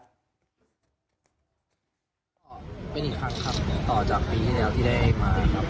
เป็นอีกครั้งครับต่อจากปีที่แล้วที่ได้มาครับ